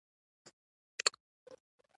اساسي ځانګړنه یې ادبي هنري ارزښت دی.